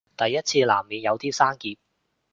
第一次難免有啲生澀